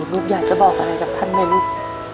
ลูกอยากจะบอกกับธรรมไหมลูก